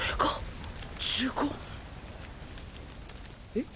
えっ？